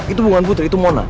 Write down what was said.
itu bukan putri itu mona